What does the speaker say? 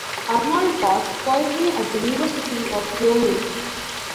Arnold taught poetry at the University of Wyoming.